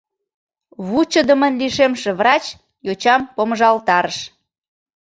Вучыдымын лишемше врач йочам помыжалтарыш.